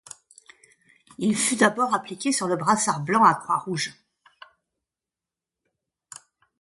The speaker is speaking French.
Il fut d'abord appliqué sur le brassard blanc à croix rouge.